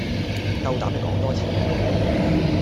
夠膽你講多次